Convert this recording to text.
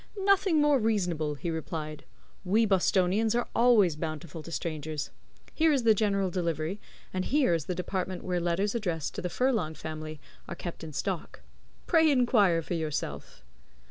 "Nothing more reasonable," he replied. "We Bostonians are always bountiful to strangers. Here is the General Delivery, and here is the department where letters addressed to the Furlong family are kept in stock. Pray inquire for yourself."